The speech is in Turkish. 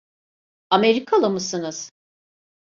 Amerikalı mısınız?